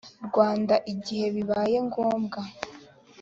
rwanda igihe bibaye ngombwa